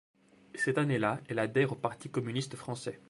Cette année-là, elle adhère au Parti communiste français.